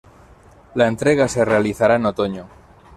La entrega se realizará en otoño.